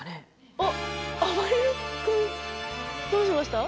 あっあばれる君どうしました？